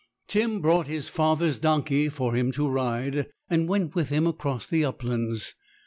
Tim brought his father's donkey for him to ride, and went with him across the uplands.